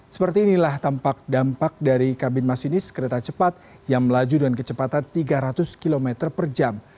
seperti inilah tampak dampak dari kabin masinis kereta cepat yang melaju dengan kecepatan tiga ratus km per jam